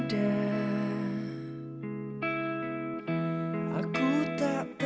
saya merasa ringan karena aku meluahkan kamu